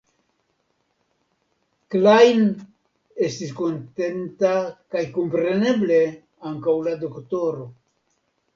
Klajn estis kontenta kaj kompreneble ankaŭ la doktoro.